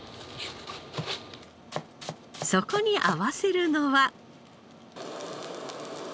そこに合わせるのは。